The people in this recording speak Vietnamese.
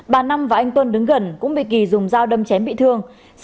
bà năm và anh tuấn đứng gần cũng bị kỳ dùng dao đâm chém bị thương